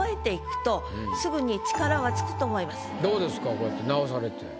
こうやって直されて。